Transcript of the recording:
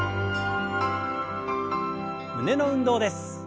胸の運動です。